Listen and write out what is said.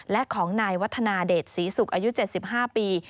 และของนายวัฒนาเดชศรีศุกร์อายุ๗๕ปี